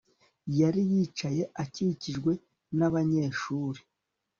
Yari yicaye akikijwe nabanyeshuri